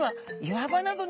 岩場など。